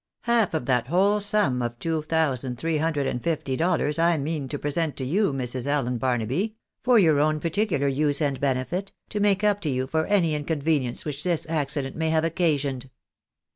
Half of that whole sum of two thousand three hundred and thirty dollars I mean to present to' you, Mrs. Allen Barnaby, for your own particular use and benefit, to make up to you for any inconvenience which this accident may have occasioned."